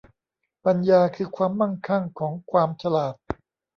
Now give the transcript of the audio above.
ปัญญาคือความมั่งคั่งของความฉลาด